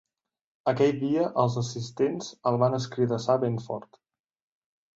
Aquell dia els assistents el van escridassar ben fort.